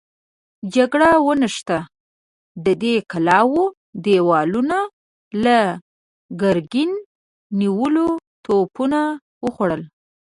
جګړه ونښته، د دې کلاوو دېوالونه له ګرګينه نيولو توپونو وخوړل.